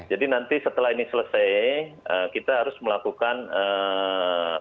jadi nanti setelah ini selesai kita harus melakukan perizinan